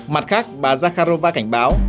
mặt khác bà zakharova cảnh báo